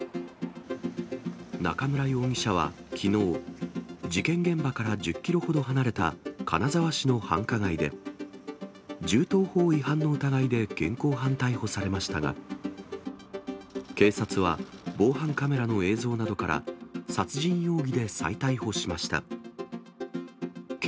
中村容疑者はきのう、事件現場から１０キロほど離れた金沢市の繁華街で、銃刀法違反の疑いで現行犯逮捕されましたが、警察は、防犯カメラの映像などから、殺人容疑で再逮捕しました。